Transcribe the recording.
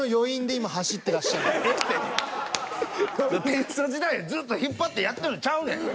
天素時代をずっと引っ張ってやってんのちゃうねん。